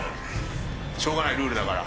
しょうがないルールだから。